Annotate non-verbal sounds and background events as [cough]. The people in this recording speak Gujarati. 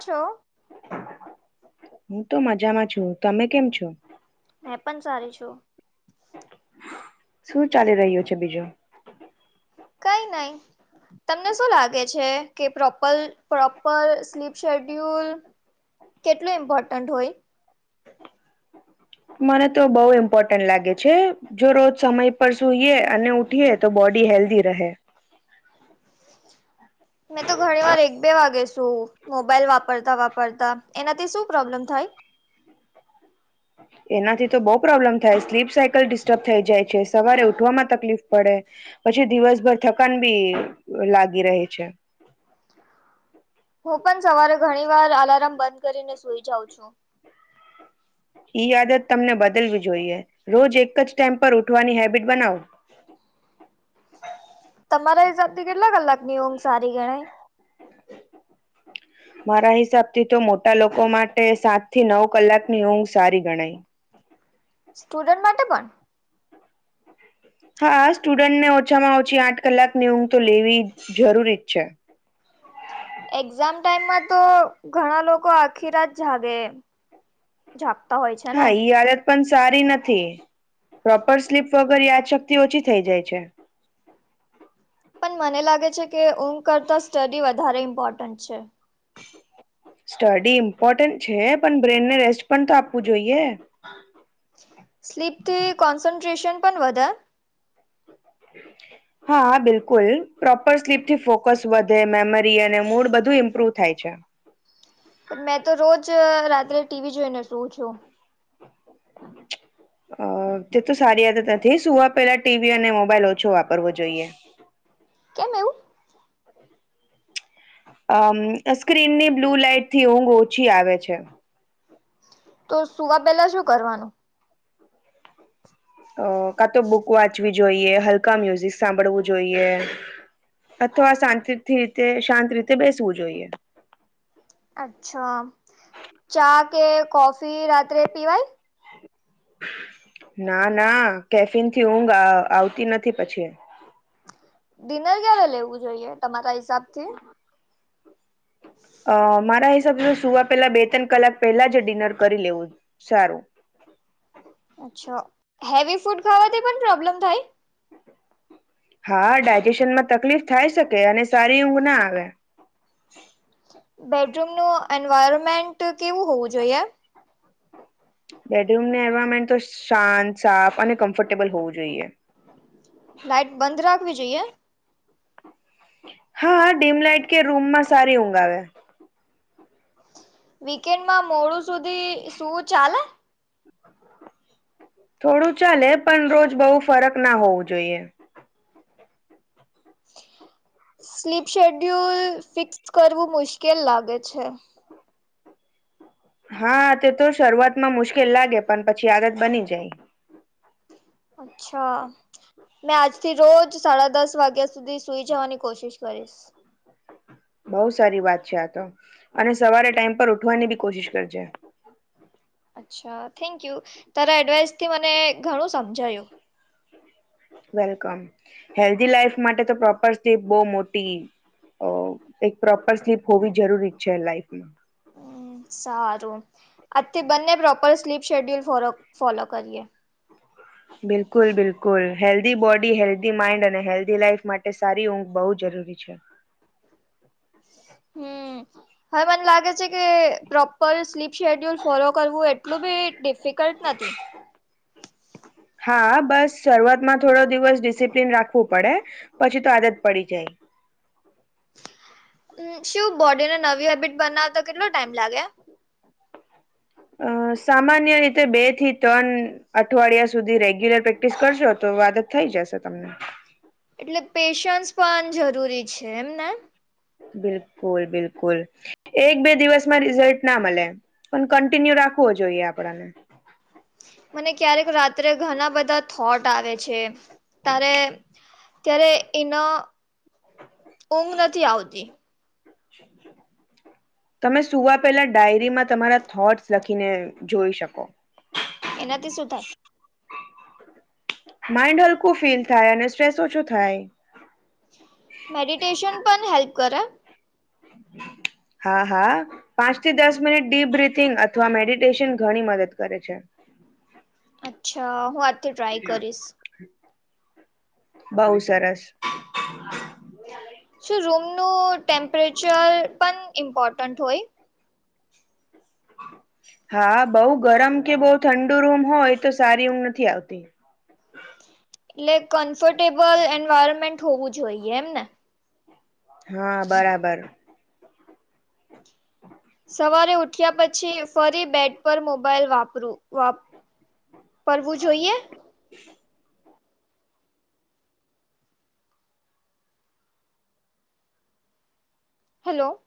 છો? હું તો મજામાં છું. તમે કેમ છો? મેં પણ સારી છું. શું ચાલી રહ્યું છે બીજું? કંઈ નહી. તમને શું લાગે છે કે પ્રોપલ પ્રોપર સ્લીપ શેડ્યુલ કેટલું ઇમ્પોર્ટન્ટ હોય? મને તો બઉ ઇમ્પોર્ટન્ટ લાગે છે. જો રોજ સમય પર સુઈએ અને ઉઠીએ તો બોડી હેલ્ધી રહે. મેં તો ઘણી વાર એક-બે વાગે સુવું મોબાઈલ વાપરતા વાપરતા. એનાથી શું પ્રોબ્લેમ થાય? એનાથી તો બહુ પ્રોબ્લેમ થાય સ્લીપ સાયકલ ડિસ્ટર્બ થઈ જાય છે સવારે ઉઠવામાં તકલીફ પડે પછી દિવસભર ઠકાન બી લાગી રહે છે. હું પણ સવારે ઘણી વાર આલાર્મ બંધ કરીને સુઈ જાઉં છું. ઈ આદત તમને બદલવી જોઈએ. રોજ એકજ ટાઇમ પર ઉઠવાની હેબિટ બનાવો. તમારા હિસાબથી કેટલા કલાકની ઊંઘ સારી ગણાય [inaudible] મારા હિસાબ થી તો મોટા લોકો માટે સાત થી નવ કલાક ની ઊંઘ સારી ગણાય સ્ટુડન્ટ માટે પણ હા સ્ટુડન્ટને ઓછામાં ઓછી આઠ કલાકની ઊંઘ તો લેવી જરૂરી જ છે એક્ઝામ ટાઈમમાં તો ઘણા લોકો આખી રા જ જાગે હોય છે ને હા આ પણ સારી નથી પ્રોપર સ્લીપ વગર યાદ શક્તિ ઓછી થઈ જાય છે મને લાગે છે કે ઊંઘ કરતા સ્ટડી વધારે ઇમ્પોર્ટન્ટ છે સ્ટડી ઇમ્પોર્ટન્ટ છે પણ બ્રેનને રેસ્ટ પણ તો આપવું જોઈએ સ્લીપથી કોન્સન્ટ્રેશન પણ વધારે હ [unintelligible] હા બિલકુલ પ્રોપર સ્લીપથી ફોકસ વધે મેમરી અને મૂડ બધું ઇમ્પ્રુવ થાય છે પણ મેં તો રોજ રાત્રે ટીવી જોઈને શું છું હ [unintelligible] અ તે તો સારી આદ નથી સુવા પેલા ટીવી અને મોબાઈલ ઓછો વાપરવો જોઈએ કેમ એવું અમ સ્ક્રીન ની બ્લુ લાઈટ થી ઊંઘ ઓછી આવે છે તો સુવા પેલા શું કરવાનું અ કા તો બુક વાંચવી જોઈએ હલકા મ્યુઝિક સાંભળવું જોઈએ અથવા શાંતિથી રીતે શાંત રીતે બેસવું જોઈએ અચ્છા ચા કે કોફી રાત્રે પીવાય ના ના કેફિન થી ઊંઘ આવતી નથી પછી ડિનર ક્યારે લેવું જોઈએ તમારા હિસાબ થી હ [unintelligible] અ મારા હિસાબે સુવા પેલા બે ત્રણ કલાક પહેલા જ ડિનર કરી લેવું સારું અચ્છા હેવી ફૂડ ખાવાથી પણ પ્રોબ્લેમ થાય હા ડાયજેશન માં તકલીફ થાય શકે અને સારી ઊંઘ ના આવે બેડરૂમનું એન્વાયરમેન્ટ કેવું હોવું જોઈએ બેડરૂમની એન્વાયરમેન્ટ તો શાંત સાફ અને કમ્ફર્ટેબલ હોવું જોઈએ લાઈટ બંધ રાખવી જોઈએ હા ડીમ લાઈઇટ કે રૂમ માં સારી ઊંઘ આવેે વીકેન્ડમાં મોડું સુધી શું ચાલે થોડું ચાલે પણ રોજ બઉુ ફરક ના હોવું જોઈએ સ્લીપ શેડ્યુલ ફિક્સ કરવું મુશ્કેલ લાગે છે હા તે તો શરૂઆત માં મુશ્કેલ લાગે પણ પછી આદત બની જાય અચ્છા મેં આજથી રોજ સાડા દસ વાગ્યા સુધી સુઈ જવાની કોશિશ કરીશ બઉુ સારી વાત છે આ તો અને સવારે ટાઈઇમ પર ઉઠવાની બી કોશિશ કરજે અચ્છા થેન્ક યુ તારેા એડવાઈસથી મને ઘણું સમજાયો વેલકમ હેલ્ધી લાઈફ માટે તો પ્રોપર સ્ બહ મોટી અ એક પ્રોપર સ્લીપ હોવી જરૂરી છે લાઈફમાં હમ સારું આજથી બંને પ્રોપર સ્લીપ શેડ્યુલ ફો ફોલો કરીએ બિલકુલ બિલકુલ હેલ્ધી બોડી હેલ્ધી માઇન્ડ અને હેલ્ધી લાઈફ માટે સારી ઊંઘ બહુ જરૂરી છે હમ હવે મને લાગે છે કે પ્રોપર સ્લીપ શેડ્યુલ ફોલો કરવું એટલું બી ડિફિકલ્ટ નથી હા બસ શરૂઆતમાં થોડો દિવસ ડિસિપ્લિન રાખવું પડે પછી તો આદત પડી જાય મ શું બોડીને નવી હેબિટ બનાવતા કેટલો ટાઈમ લાગે અ સામાન્ય રીતે બે થી ત્રણ અઠવાડિયા સુધી રેગ્યુલર પ્રેક્ટિસ કરજો તો વાત જ થઈ જશે તમને એટલે પેશન્સ પણ જરૂરી છે એમને બિલકુલ બિલકુલ એક બે દિવસમાં રિઝલ્ટ ના મળે પણ કન્ટિન્યુ રાખવો જોઈએ આપણને મને ક્યારેક રાત્રે ઘણા બધા થોટ આવે છે તારે ત્યારે એના ઊંઘ નથી આવતી અચ્છાચ્ા તમે સુવા પેલા ડાયરીમાં તમારા થોટસ લખીને જોઈ શકો એનાથી શું થાય માઇન્ડ હલકું ફીલ થાય અને સ્ટ્રેસ ઓછું થાય મેડિટેશન પણ હેલ્પ કરે હા હા પાંચ થી દસ મિનિટ ડીપ બ્રીિથિંગ અથવા મેડિટેશન ઘણી મદદ કરે છે અચ્છા હું આજથી ટ્રાય કરીશ બહઉુ સરસ શું રૂમનું ટેમ્પરેચર પણ ઇમ્પોર્ટન્ટ હોય હા બઉ ગરમ કે બઉ ઠંડુ રૂમ હોય તો સારી ઊમ નથી આવતી એટલે કમ્ફર્ટેબલ એન્વાયરમેન્ટ હોવું જોઈએ એમ ને હા બરાબર સવારે ઉઠ્યા પછી ફરી બેડ પર મોબાઈલ વાપરું પવું જોઈએ [inaudible] હેલો.